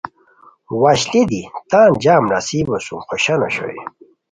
وشلی دی تان جم نصیبو سُم خوشان اوشوئے